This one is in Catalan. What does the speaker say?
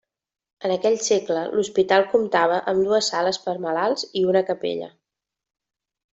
En aquell segle l'hospital comptava amb dues sales per a malalts i una capella.